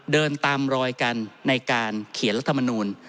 เดินตามรอยกันในการเขียนรัฐมนูล